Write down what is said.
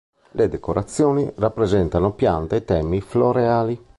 Le decorazioni rappresentano piante e temi floreali.